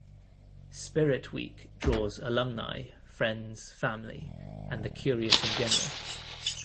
"Spirit Week" draws alumni, friends, family, and the curious in general.